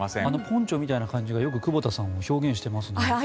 あのポンチョみたいな感じがよく久保田さんを表現していますね。